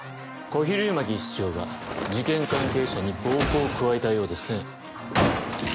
小比類巻室長が事件関係者に暴行を加えたようですね。